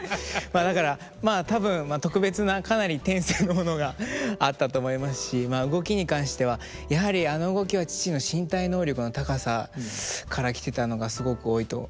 まあだからまあ多分特別なかなり天性のものがあったと思いますし動きに関してはやはりあの動きは父の身体能力の高さからきてたのがすごく多いと思います。